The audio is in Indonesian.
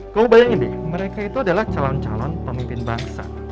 kau bayangin deh mereka itu adalah calon calon pemimpin bangsa